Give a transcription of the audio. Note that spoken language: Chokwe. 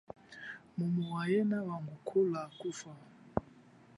Mumu wa yena wangukula mu kufa.